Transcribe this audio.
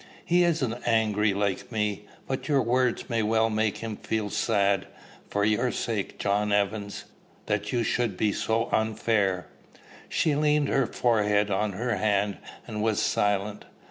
He isn't angry like me; but your words may well make him feel sad for your sake, John Evans that you should be so unfair." She leaned her forehead on her hand, and was silent.